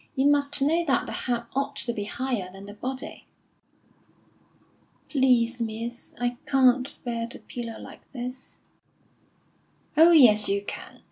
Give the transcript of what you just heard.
You must know that the head ought to be higher than the body." "Please, miss, I can't bear the pillow like this." "Oh, yes, you can.